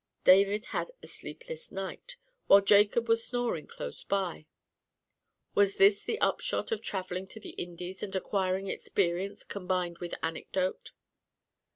David spent a sleepless night, while Jacob was snoring close by. Was this the upshot of travelling to the Indies, and acquiring experience combined with anecdote?